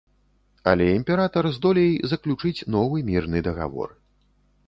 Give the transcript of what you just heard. Але імператар здолей заключыць новы мірны дагавор.